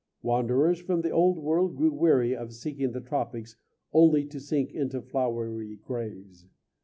Wanderers from the Old World grew weary of seeking the tropics only to sink into flowery graves.